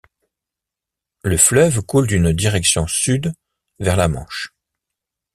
Le fleuve coule d'une direction sud vers la Manche.